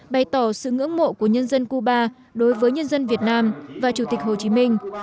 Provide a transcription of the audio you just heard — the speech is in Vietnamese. bày tỏ sự ngưỡng mộ của nhân dân cuba đối với nhân dân việt nam và chủ tịch hồ chí minh